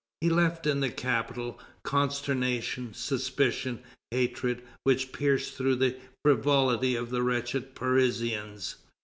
He left in the capital "consternation, suspicion, hatred, which pierced through the frivolity of the wretched Parisians."